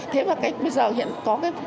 thế và bây giờ hiện có